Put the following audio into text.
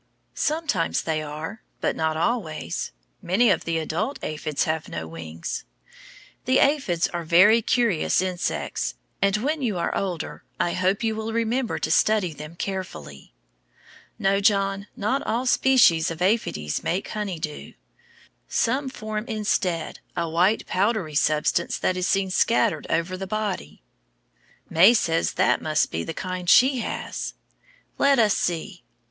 Sometimes they are, but not always. Many of the adult aphids have no wings. The aphids are very curious insects, and when you are older I hope you will remember to study them carefully. No, John, not all species of aphides make honey dew. Some form instead a white, powdery substance that is seen scattered over the body. May says that must be the kind she has. Let us see.